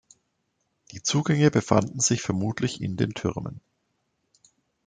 Die Zugänge befanden sich vermutlich in den Türmen.